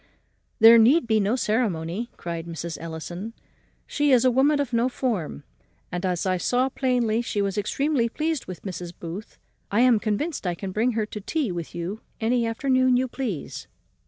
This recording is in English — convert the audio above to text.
"There need be no ceremony," cried Mrs. Ellison; "she is a woman of no form; and, as I saw plainly she was extremely pleased with Mrs. Booth, I am convinced I can bring her to drink tea with you any afternoon you please."